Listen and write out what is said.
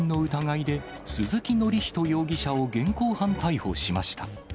監禁の疑いで鈴木教仁容疑者を現行犯逮捕しました。